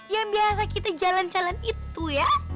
yang biasa kita jalan jalan itu ya